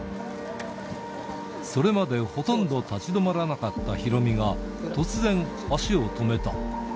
それまでほとんど立ち止まらなかったヒロミが、突然、足を止めた。